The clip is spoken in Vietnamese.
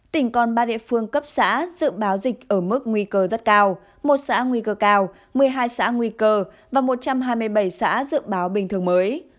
tỉnh còn ba địa phương cấp xã dự báo dịch ở mức nguy cơ rất cao một xã nguy cơ cao một mươi hai xã nguy cơ và một trăm hai mươi bảy xã dự báo bình thường mới